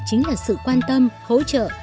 chính là sự quan tâm hỗ trợ